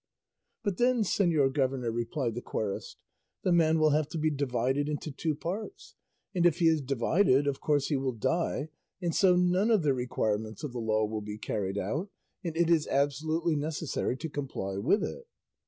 "But then, señor governor," replied the querist, "the man will have to be divided into two parts; and if he is divided of course he will die; and so none of the requirements of the law will be carried out, and it is absolutely necessary to comply with it."